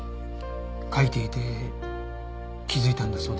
描いていて気づいたんだそうです。